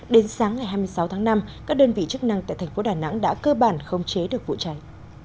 đến sáng ngày hai mươi sáu tháng năm các đơn vị chức năng tại thành phố đà nẵng đã cơ bản không chế được vụ cháy